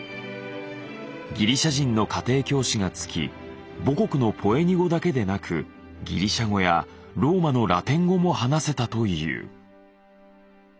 ギリシャ人の家庭教師がつき母国のポエニ語だけでなくギリシャ語やローマのラテン語も話せたという。